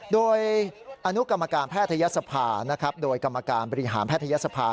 โดยอนุกรรมการแพทยศภานะครับโดยกรรมการบริหารแพทยศภา